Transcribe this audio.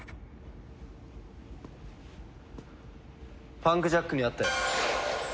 パンクジャックに会ったよ。